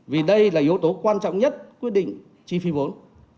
vì đây là yếu tố quan trọng nhất quyết định chi phí vốn